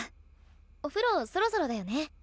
お風呂そろそろだよね。